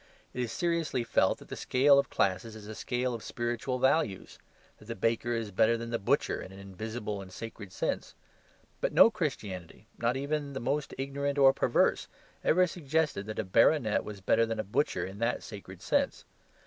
It is seriously felt that the scale of classes is a scale of spiritual values; that the baker is better than the butcher in an invisible and sacred sense. But no Christianity, not even the most ignorant or perverse, ever suggested that a baronet was better than a butcher in that sacred sense.